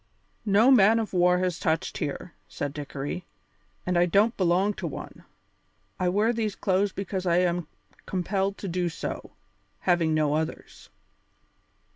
"No man of war has touched here," said Dickory, "and I don't belong to one. I wear these clothes because I am compelled to do so, having no others.